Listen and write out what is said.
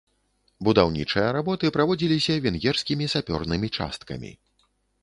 Будаўнічыя работы праводзіліся венгерскімі сапёрнымі часткамі.